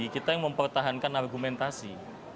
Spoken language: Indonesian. kita yang mempertahankan argumentasi